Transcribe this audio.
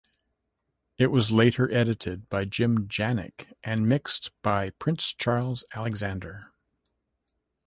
It was later edited by Jim Janik and mixed by Prince Charles Alexander.